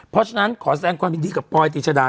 เพราะฉะนั้นขอแสดงความยินดีกับปอยติชดา